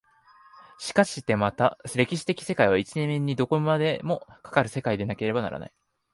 しかしてまた歴史的世界は一面にどこまでもかかる世界でなければならない。